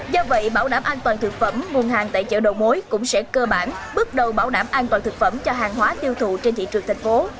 do vậy bảo đảm an toàn thực phẩm nguồn hàng tại chợ đầu mối cũng sẽ cơ bản bước đầu bảo đảm an toàn thực phẩm cho hàng hóa tiêu thụ trên thị trường thành phố